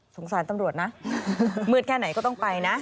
สารตำรวจนะมืดแค่ไหนก็ต้องไปนะ